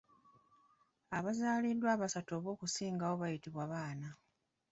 Abazaaliddwa abasatu oba okusingawo bayitibwa baana.